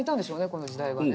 この時代はね。